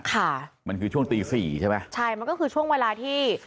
ค่ะมันคือช่วงตีสี่ใช่ไหมใช่มันก็คือช่วงเวลาที่